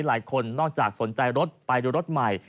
หลายคนนอกจากสนใจรถไปดูรถใหม่